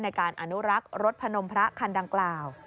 ในการอนุรักษ์รถพนมพระคันดังกล่าว